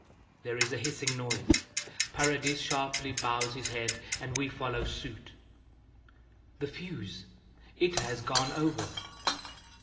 There is a hissing noise. Paradis sharply bows his head and we follow suit. "The fuse! it has gone over."